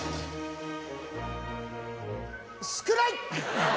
少ない。